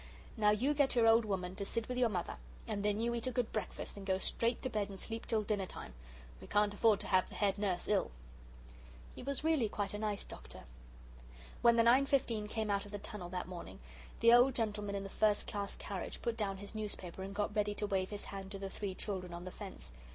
"Now you get your old woman to sit with your mother, and then you eat a good breakfast, and go straight to bed and sleep till dinner time. We can't afford to have the head nurse ill." He was really quite a nice doctor. When the 9.15 came out of the tunnel that morning the old gentleman in the first class carriage put down his newspaper, and got ready to wave his hand to the three children on the fence.